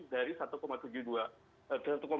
dari satu tujuh juta